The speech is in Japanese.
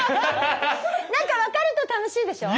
なんか分かると楽しいでしょ？